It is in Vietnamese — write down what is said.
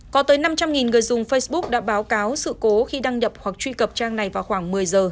có tới năm trăm linh người dùng facebook đã báo cáo sự cố khi đăng nhập hoặc truy cập trang này vào khoảng một mươi giờ